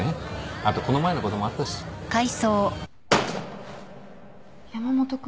あとこの前のこともあったし。山本君